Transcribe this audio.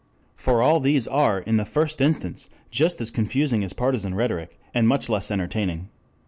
For all these are in the first instance just as confusing as partisan rhetoric, and much less entertaining.